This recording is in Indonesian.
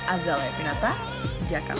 azaleh binata jakarta